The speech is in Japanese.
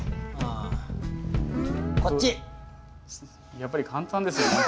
やっぱり簡単ですね問題。